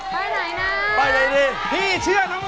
ป้ายไหนนะป้ายไหนดี